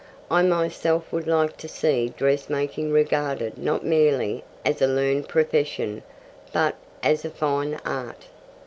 I myself would like to see dressmaking regarded not merely as a learned profession, but as a fine art.